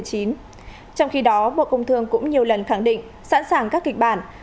trong khi đó bộ công thương cũng nhiều lần khẳng định sẵn sàng các kịch bản